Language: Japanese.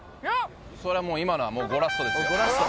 そりゃもう今のはゴラッソですよ。